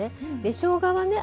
しょうがはね